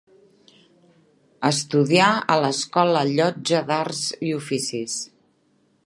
Estudià a l’Escola Llotja d’Arts i Oficis.